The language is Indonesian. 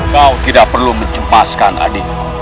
kau tidak perlu menjempaskan adikmu